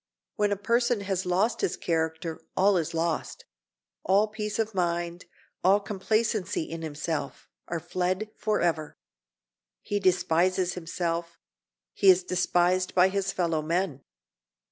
When a person has lost his character all is lost—all peace of mind, all complacency in himself, are fled forever. He despises himself; he is despised by his fellow men.